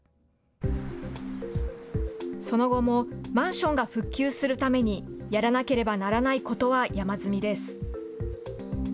その後も、マンションが復旧するために、やらなければならないことは山積みです。